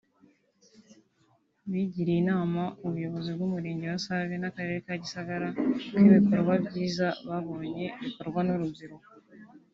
Bagiriye inama ubuyobozi bw’Umurenge wa Save n’Akarere ka Gisagara ko ibikorwa byiza babonye bikorwa n’urubyiruko